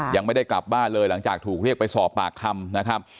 ยังไม่ได้กลับบ้านเลยหลังจากถูกเรียกไปสอบปากคำนะครับ